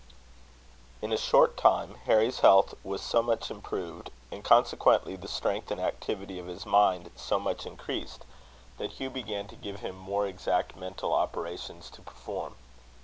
In a short time Harry's health was so much improved, and consequently the strength and activity of his mind so much increased, that Hugh began to give him more exact mental operations to perform.